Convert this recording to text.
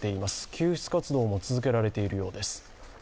救出活動も続けられているようです。